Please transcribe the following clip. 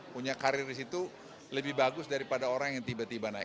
punya karir di situ lebih bagus daripada orang yang tiba tiba naik